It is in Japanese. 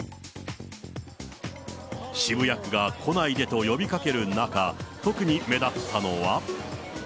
渋谷区が来ないでと呼びかける中、特に目立ったのは。